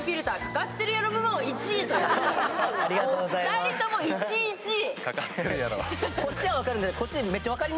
２人とも１位、１位。